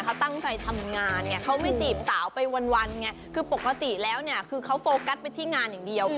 เขาตั้งใจทำงานไงเขาไม่จีบสาวไปวันไงคือปกติแล้วเนี่ยคือเขาโฟกัสไปที่งานอย่างเดียว